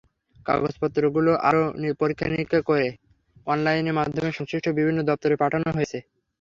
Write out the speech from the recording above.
কাগজপত্রগুলো আরও পরীক্ষা-নিরীক্ষা করতে অনলাইনের মাধ্যমে সংশ্লিষ্ট বিভিন্ন দপ্তরে পাঠানো হয়েছে।